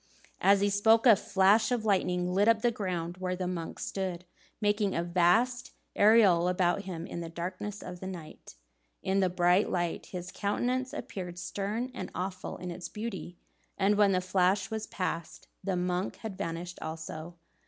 As he spoke, a flash of lightning lit up the ground where the monk stood, making a vast aureole about him in the darkness of the night. In the bright light, his countenance appeared stern and awful in its beauty, and when the flash was passed, the monk had vanished also.